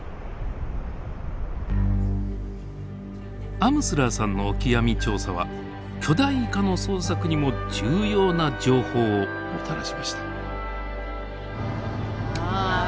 アムスラーさんのオキアミ調査は巨大イカの捜索にも重要な情報をもたらしました。